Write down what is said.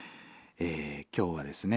今日はですね